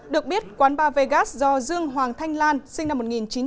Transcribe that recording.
được biết quán ba vegas do dương hoàng thanh lan sinh năm một nghìn chín trăm bảy mươi bảy